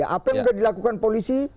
apa yang sudah dilakukan polisi